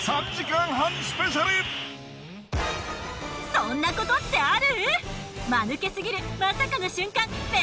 そんなことってある！？